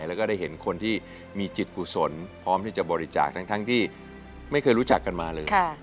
แล้วก็ได้เห็นคนที่มีจิตกุศลพร้อมที่จะบริจาคทั้งที่ไม่เคยรู้จักกันมาเลย